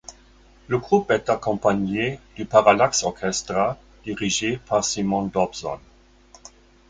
Le groupe est accompagné du Parallax Orchestra dirigé par Simon Dobson.